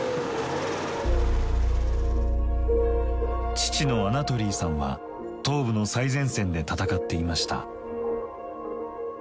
父のアナトリーさんは東部の最前線で戦っていました。